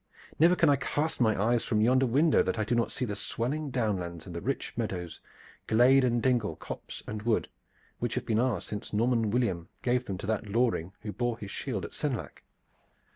Never can I cast my eyes from yonder window that I do not see the swelling down lands and the rich meadows, glade and dingle, copse and wood, which have been ours since Norman William gave them to that Loring who bore his shield at Senlac.